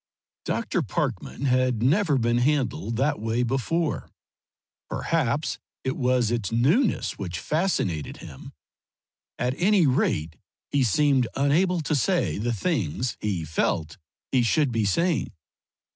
Dr. Parkman had never been handled that way before; perhaps it was its newness which fascinated him; at any rate he seemed unable to say the things he felt he should be saying.